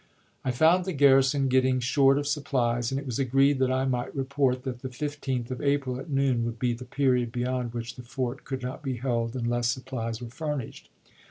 I found the garrison getting short of supplies, and it was agreed that I might report that the 15th of April, at noon, would be the period beyond which the fort ciaiReport, could not be held unless supplies were furnished.